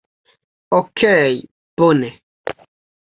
Okej, bone.